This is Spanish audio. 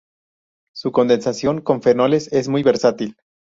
Su condensación con fenoles es muy versátil.